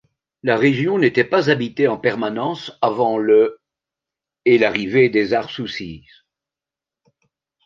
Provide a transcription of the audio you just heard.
La région n'était pas habitée en permanence avant le et l'arrivée des Harsusis.